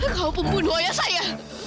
kau pembunuh ayah saya